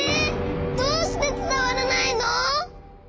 どうしてつたわらないの？